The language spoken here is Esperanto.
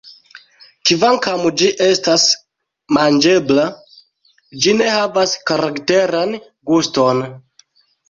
Kvankam ĝi estas manĝebla, ĝi ne havas karakteran guston.